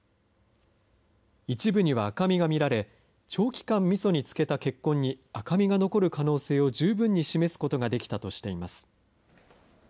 一部には赤みが見られ、長期間みそに漬けた血痕に、赤みが残る可能性を十分に示すことができたとしています。